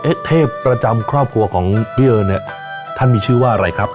เทพประจำครอบครัวของพี่เอิญเนี่ยท่านมีชื่อว่าอะไรครับ